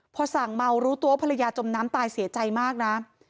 พอสั่งเมารู้ตัวว่าภรรยาจมน้ำตายเสียใจมากนะ